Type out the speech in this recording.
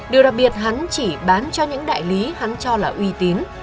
điều đặc biệt hắn chỉ bán cho những đại lý hắn cho là uy tín